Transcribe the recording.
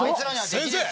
先生！